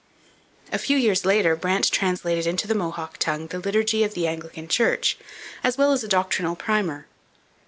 A few years later Brant translated into the Mohawk tongue the Liturgy of the Anglican Church as well as a doctrinal primer.